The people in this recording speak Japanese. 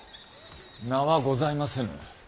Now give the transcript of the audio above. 名はございませぬ。